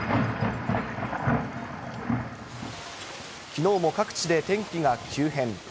きのうも各地で天気が急変。